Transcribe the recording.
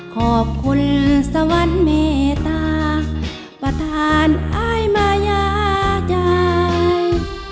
ขอบคุณสวรรค์เมตตาประธานอ้ายมายาใจ